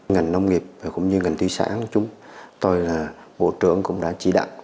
ngành nông nghiệp cũng như ngành thủy sản chúng tôi là bộ trưởng cũng đã chỉ đặng